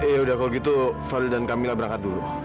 ya sudah kalau begitu fadil dan kamila berangkat dulu